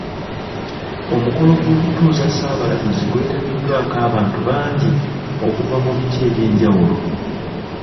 Omukolo gw'okutuuza Ssaabalabirizi gwetabiddwako abantu bangi okuva mu biti eby'enjawulo.